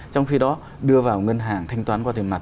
trong khi đó đưa vào ngân hàng thanh toán qua tiền mặt